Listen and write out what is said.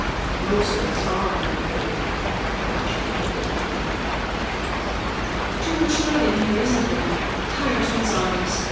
"Most of us are, I'm afraid," Dr. Archie admitted meekly. "Too much light in here, isn't there? Tires one's eyes.